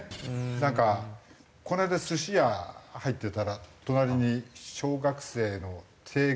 なんかこの間寿司屋入ってたら隣に小学生の低学年女の子。